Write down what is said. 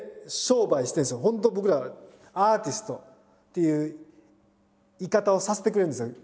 本当僕らアーティストっていうさせてくれるんですよ